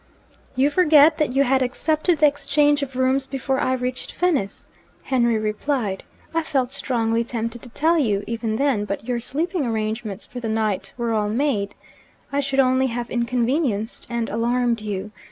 'You forget that you had accepted the exchange of rooms before I reached Venice,' Henry replied. 'I felt strongly tempted to tell you, even then but your sleeping arrangements for the night were all made; I should only have inconvenienced and alarmed you.